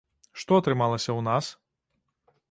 Што атрымалася ў нас?